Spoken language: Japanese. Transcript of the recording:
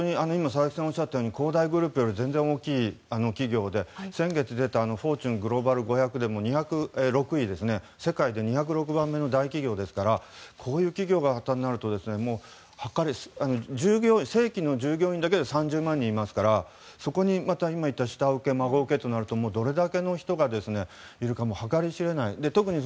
今、おっしゃったように恒大グループより全然大きい企業で、先月出たフォーチュングローバル５００でも世界２０６番目の大企業ですからこういう企業が破綻すると正規の従業員だけで３０万人いますからそこに下請け、孫請けといったらどれだけの人がいるかも計り知れない。